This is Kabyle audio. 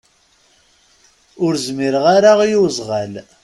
Ur zmireɣ ara i uzɣal.